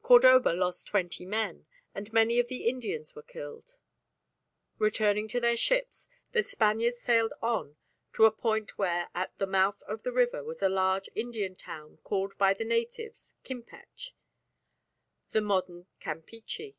Cordoba lost twenty men, and many of the Indians were killed. Returning to their ships, the Spaniards sailed on to a point where at the mouth of the river was a large Indian town called by the natives Kimpech, the modern Campeachy.